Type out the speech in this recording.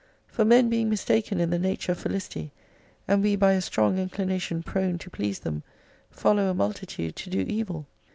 For men being mistaken in the nature of Felicity, and we by a strong inclination prone to please them, follow a multitude to do evil.